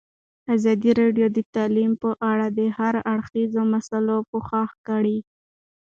ازادي راډیو د تعلیم په اړه د هر اړخیزو مسایلو پوښښ کړی.